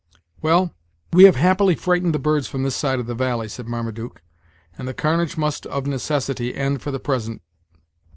"Well, we have happily frightened the birds from this side of the valley," said Marmaduke, "and the carnage must of necessity end for the present.